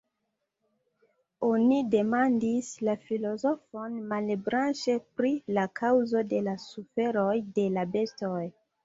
Oni demandis la filozofon Malebranche pri la kaŭzo de la suferoj de la bestoj.